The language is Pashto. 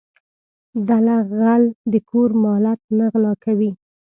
دله غل د کور مالت نه غلا کوي.